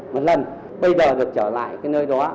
một lần bây giờ được trở lại cái nơi đó